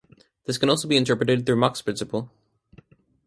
This can be also be interpreted through Mach's principle.